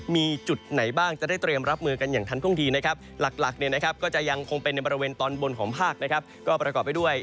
มีจุดไหนบ้างจะได้เตรียมรับมือกันอย่างทันท่วงทีนะครับหลักเนี่ยนะครับก็จะยังคงเป็นในบริเวณตอนบนของภาคนะครับก็ประกอบไปด้วย